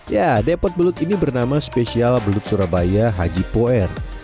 ya depot belut ini bernama spesial belut surabaya haji poir